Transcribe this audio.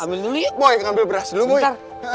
jangan nanya warna terlalu kaya